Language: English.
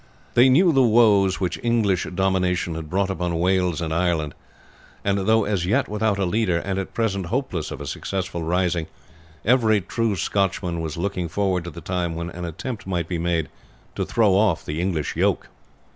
They knew the woes which English domination had brought upon Wales and Ireland; and though as yet without a leader, and at present hopeless of a successful rising, every true Scotchman was looking forward to the time when an attempt might be made to throw off the English yoke.